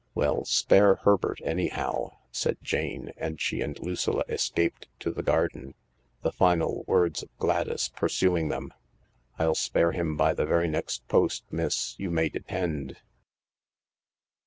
"Well; spare Herbert, anyhow," said Jane, and she and Lucilla escaped to the garden, the final words of Gladys pursuing them :" I'll spare him by the very next post, miss, you may depend."